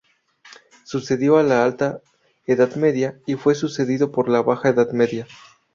Sucedió a la Alta Edad Media y fue sucedida por la Baja Edad Media.